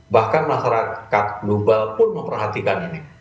bahkan masyarakat global pun memperhatikan ini